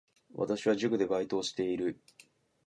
私は塾でバイトをしている